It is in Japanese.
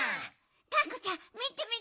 がんこちゃんみてみて。